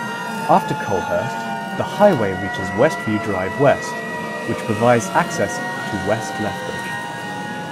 After Coalhurst, the highway reaches Westview Drive W, which provides access to West Lethbridge.